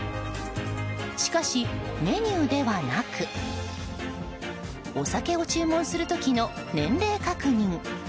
しかし、メニューではなくお酒を注文する時の年齢確認。